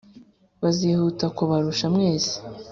bazihuta kubarusha mwese